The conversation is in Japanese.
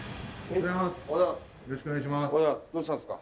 おはようございます。